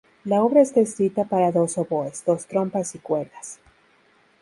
La obra está escrita para dos oboes, dos trompas y cuerdas.